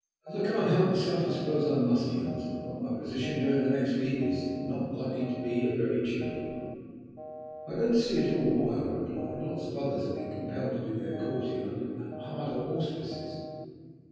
"As I can't help myself I suppose I must," he answered. "But my position during the next week is not likely to be a very cheerful one." "I don't at all see why," I replied. "Lots of others have been compelled to do their courting under harder auspices.